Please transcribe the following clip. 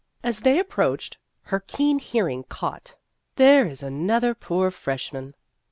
As they approached, her keen hearing caught, " There is another poor freshman."